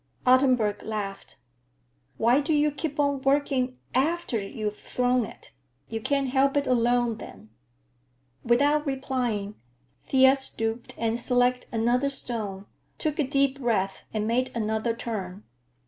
Ottenburg laughed. "Why do you keep on working after you've thrown it? You can't help it along then." Without replying, Thea stooped and selected another stone, took a deep breath and made another turn.